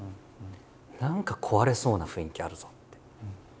何か壊れそうな雰囲気あるぞって。